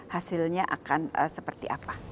hasilnya akan seperti apa